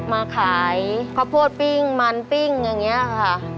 มาขายข้าวโพดปิ้งมันปิ้งอย่างนี้ค่ะ